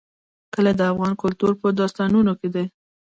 کلي د افغان کلتور په داستانونو کې دي.